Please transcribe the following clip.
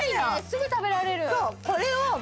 すぐ食べられる。